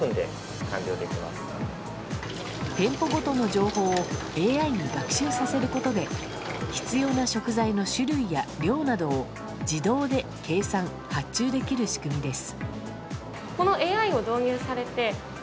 店舗ごとの情報をＡＩに学習させることで必要な食材の種類や量などを自動で計算・発注できる仕組みです。